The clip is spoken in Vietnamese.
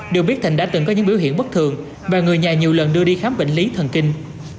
được biết thịnh đã từng có những biểu hiện bất thường và người nhà nhiều lần đưa đi khám bệnh lý thần kinh